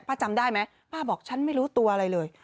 จำได้ไหมป้าบอกฉันไม่รู้ตัวอะไรเลย